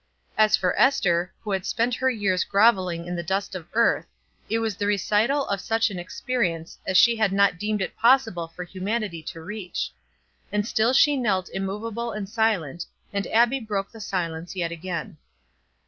As for Ester, who had spent her years groveling in the dust of earth, it was the recital of such an experience as she had not deemed it possible for humanity to reach. And still she knelt immovable and silent, and Abbie broke the silence yet again.